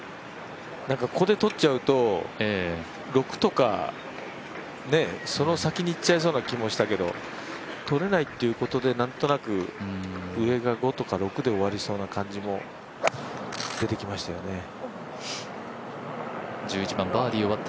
ここで取っちゃうと、６とかその先にいっちゃいそうな気もしたけど取れないっていうことでなんとなく上が５とか６で終わりそうな感じも出てきましたよね。